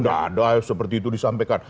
sudah ada seperti itu disampaikan